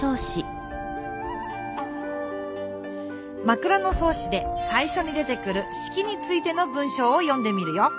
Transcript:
「枕草子」でさいしょに出てくる四きについての文しょうを読んでみるよ。